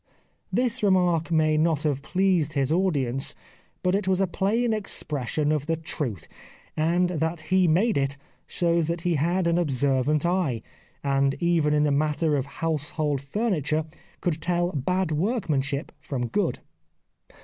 This remark may not have pleased his audience, but it was a plain expression of the truth, and that he made it shows that he had an observant eye, and even in the matter of household furni ture could tell bad workmanship from good.